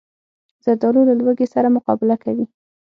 زردالو له لوږې سره مقابله کوي.